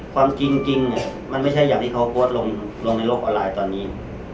ความจริงเนี่ยมันไม่ใช่อย่างที่เขาโพสต์ลงในโลกออนไลน์ตอนนี้